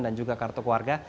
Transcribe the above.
dan juga kartu keluarga